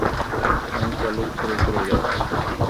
আমি কলেজ ছেড়ে চলে যাচ্ছি।